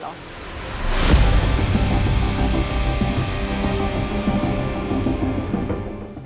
เอามาผิดน้ำทุกคน